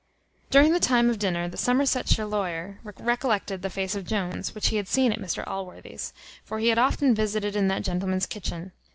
During the time of dinner, the Somersetshire lawyer recollected the face of Jones, which he had seen at Mr Allworthy's; for he had often visited in that gentleman's kitchen.